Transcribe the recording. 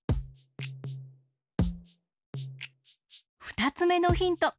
ふたつめのヒント